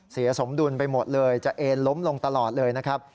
สมดุลไปหมดเลยจะเอ็นล้มลงตลอดเลยนะครับ